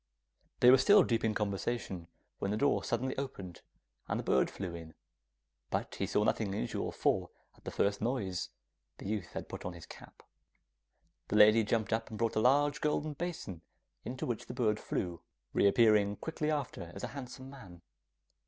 They were still deep in conversation when the door suddenly opened, and a bird flew in, but he saw nothing unusual, for, at the first noise, the youth had put on his cap. The lady jumped up and brought a large golden basin, into which the bird flew, reappearing directly after as a handsome man.